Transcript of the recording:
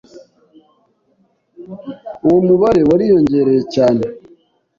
uwo mubare wariyongereye cyane